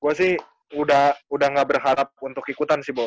gue sih udah gak berharap untuk ikutan sih bo